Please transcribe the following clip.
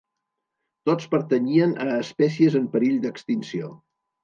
Tots pertanyien a espècies en perill d'extinció.